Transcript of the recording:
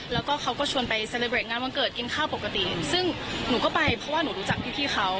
แล้วก็เขาก็ชวนไปเซเลเวรงานวันเกิดกินข้าวปกติซึ่งหนูก็ไปเพราะว่าหนูรู้จักพี่เขา